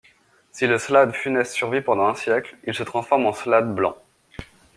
Si le slaad funeste survit pendant un siècle, il se transforme en slaad blanc.